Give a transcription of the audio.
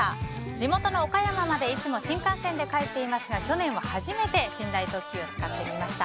地元の岡山までいつも新幹線で帰っていますが去年は初めて寝台特急を使ってみました。